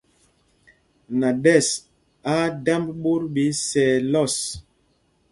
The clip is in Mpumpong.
Naɗɛs á á dámb ɓot ɓɛ isɛɛ lɔs.